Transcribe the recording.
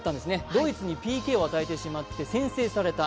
ドイツにＰＫを与えてしまって先制された。